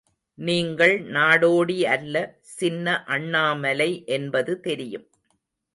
நீங்கள் நாடோடி அல்ல, சின்ன அண்ணாமலை என்பது தெரியும்.